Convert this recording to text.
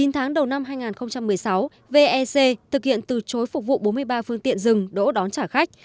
chín tháng đầu năm hai nghìn một mươi sáu vec thực hiện từ chối phục vụ bốn mươi ba phương tiện dừng đỗ đón trả khách